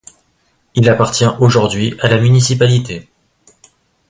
Il appartient aujourd'hui à la municipalité.